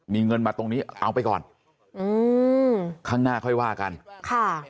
มีเงินมาตรงนี้เอาไปก่อนอืมข้างหน้าค่อยว่ากันค่ะ